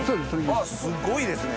すっごいですね。